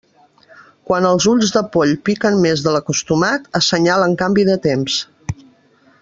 Quan els ulls de poll piquen més de l'acostumat, assenyalen canvi de temps.